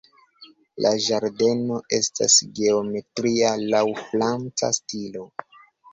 La ĝardeno estas geometria laŭ franca stilo.